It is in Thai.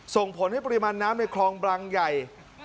ส่งผลให้ปริมาณน้ำในคลองบรังใหญ่